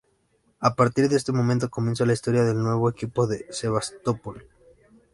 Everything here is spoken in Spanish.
A partir de este momento comienza la historia del nuevo equipo de Sebastopol.